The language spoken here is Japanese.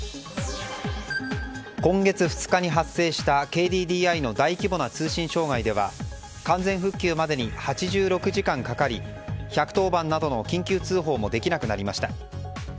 今月２日に発生したＫＤＤＩの大規模な通信障害では完全復旧までに８６時間かかり１１０番などの緊急通報もできなくなりました。